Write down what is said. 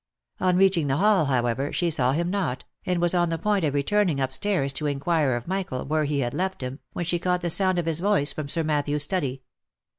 On reaching the hall, however, she saw him not, and was on the point of returning up stairs to inquire of Michael where he had left him, when she caught the sound of his voice from Sir Matthew's study.